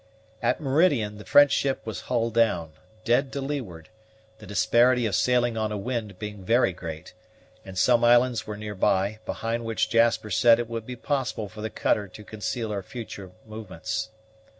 At meridian the French ship was hull down, dead to leeward, the disparity of sailing on a wind being very great, and some islands were near by, behind which Jasper said it would be possible for the cutter to conceal her future movements.